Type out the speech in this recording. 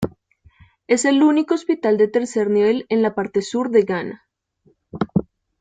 Es el único hospital de tercer nivel en la parte sur de Ghana.